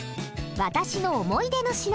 「私の思い出の品」。